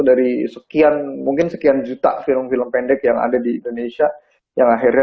dari sekian mungkin sekian juta film film pendek yang ada di indonesia yang akhirnya